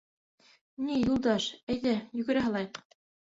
— Ни, Юлдаш, әйҙә, йүгерә һалайыҡ!